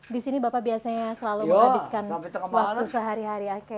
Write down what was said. di sini bapak biasanya selalu menghabiskan waktu sehari hari